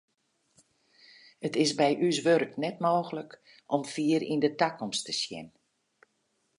It is by ús wurk net mooglik om fier yn de takomst te sjen.